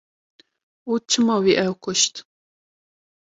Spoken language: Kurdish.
Û çima wî ew kuşt?